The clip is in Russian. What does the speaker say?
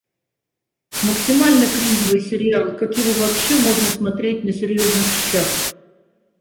Максимально кринжовый сериал, как его вообще можно смотреть на серьёзных щщах?